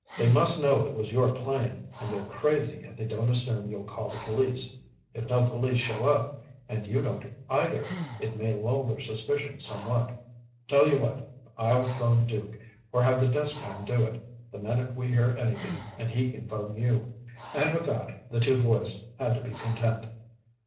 They must know it was your plane, and they're crazy if they don't assume you'll call the police. If no police show up and you don't either, it may lull their suspicions somewhat. Tell you what. I'll phone Duke, or have the desk man do it, the minute we hear anything and he can phone you." And with that, the two boys had to be content.